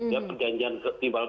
ya perjanjian timbal balik